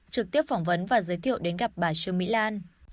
trực tiếp phỏng vấn và giới thiệu đến gặp bà trương mỹ lan